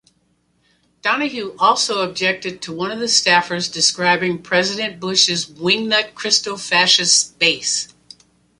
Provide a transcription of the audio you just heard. Donohue also objected to one of the staffers describing President Bush's "wingnut Christofacist base".